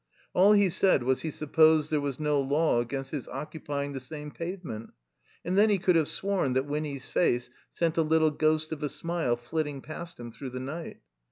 All he said was he supposed there was no law against his occupying the same pavement; and then he could have sworn that Winny's face sent a little ghost of a smile flitting past him through the night.